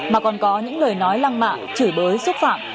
mà còn có những lời nói lăng mạ chửi bới xúc phạm